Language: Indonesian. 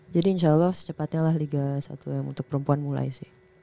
jadi insya allah secepatnya lah liga satu untuk perempuan mulai sih